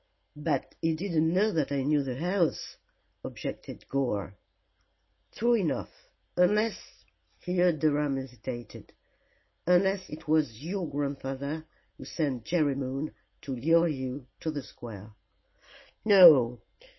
"But he didn't know that I knew the house," objected Gore. "True enough, unless" here Durham hesitated "unless it was your grandfather who sent Jerry Moon to lure you to the square." "No!